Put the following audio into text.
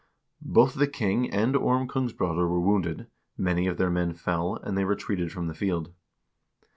Both the king and Orm Kongs broder were wounded, many of their men fell, and they retreated from the field.